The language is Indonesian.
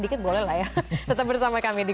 dikit boleh lah ya tetap bersama kami di